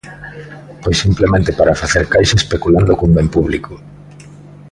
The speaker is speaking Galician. Pois simplemente para facer caixa especulando cun ben público.